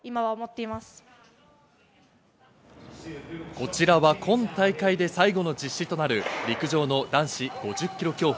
こちらは今大会で最後の実施となる、陸上の男子５０ｋｍ競歩。